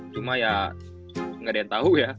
cuma ya ga ada yang tau ya